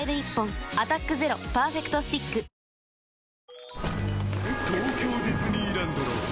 「アタックＺＥＲＯパーフェクトスティック」おい！